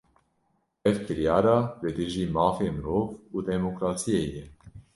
Ev kiryara, li dijî mafê mirov û demokrasiyê ye